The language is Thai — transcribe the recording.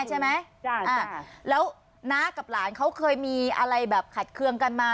ใช่ไหมใช่อ่าแล้วน้ากับหลานเขาเคยมีอะไรแบบขัดเคืองกันมา